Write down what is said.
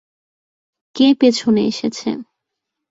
কে পেছনে এসেছে?